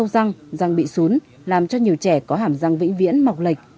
răng bị xuốn làm cho nhiều trẻ có hảm răng vĩnh viễn mọc lệch